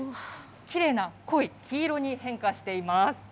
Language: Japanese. きれいな濃い黄色に変化しています。